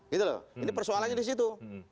gitu loh ini persoalannya di situ